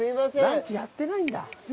ランチやってないんだ。